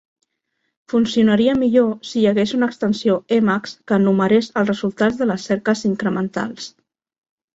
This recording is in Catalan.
Funcionaria millor si hi hagués una extensió Emacs que enumerés els resultats de les cerques incrementals.